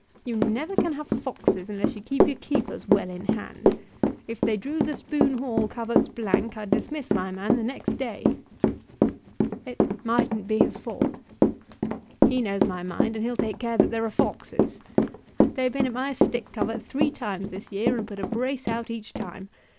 "You never can have foxes unless you keep your keepers well in hand. If they drew the Spoon Hall coverts blank I'd dismiss my man the next day." [Illustration: "You know it's the keepers do it all."] "It mightn't be his fault." "He knows my mind, and he'll take care that there are foxes. They've been at my stick covert three times this year, and put a brace out each time.